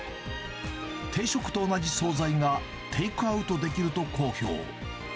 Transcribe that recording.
定食と同じ総菜がテイクアウトできると好評。